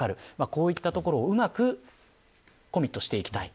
こういったところをうまくコミットしていきたい。